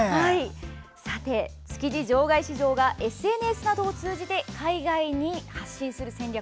さて、築地場外市場がＳＮＳなどを通じて海外に発信する戦略